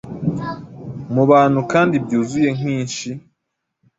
Mubantu kandi byuzuye nkinshi